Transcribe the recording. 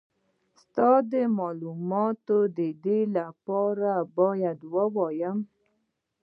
ستا د مالوماتو دپاره بايد ووايم.